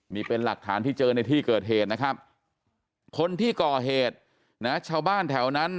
นี่เป็นหลักฐานที่เจอในที่เกิดเหตุนะครับคนที่ก่อเหตุชาวบ้านแถวนั้น